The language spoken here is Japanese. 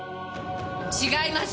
違います！